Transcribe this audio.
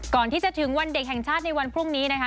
ก่อนที่จะถึงวันเด็กแห่งชาติในวันพรุ่งนี้นะคะ